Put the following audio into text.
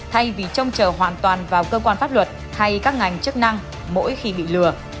thay vì trông chờ hoàn toàn vào cơ quan pháp luật hay các ngành chức năng mỗi khi bị lừa